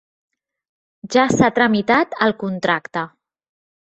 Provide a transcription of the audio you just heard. Ja s'ha tramitat el contracte.